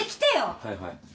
はいはい。